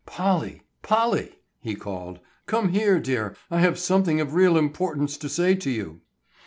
"Polly, Polly!" he called. "Come here, dear, I have something of real importance to say to you."